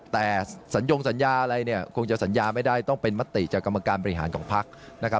แต่สัญญงสัญญาอะไรเนี่ยคงจะสัญญาไม่ได้ต้องเป็นมติจากกรรมการบริหารของพักนะครับ